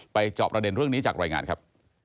จอบประเด็นเรื่องนี้จากรายงานครับ